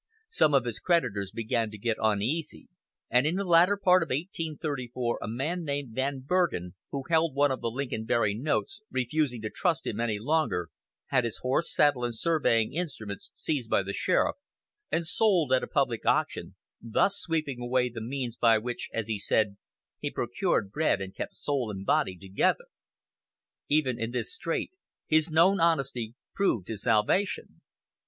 Some of his creditors began to get uneasy, and in the latter part of 1834 a man named Van Bergen, who held one of the Lincoln Berry notes, refusing to trust him any longer, had his horse, saddle, and surveying instruments seized by the sheriff and sold at public auction, thus sweeping away the means by which, as he said, he "procured bread and kept soul and body together." Even in this strait his known honesty proved his salvation.